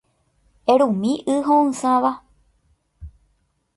Erumi y ho’ysãva.